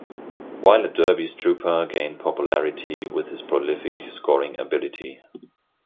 While at Derby Strupar gained popularity with his prolific scoring ability.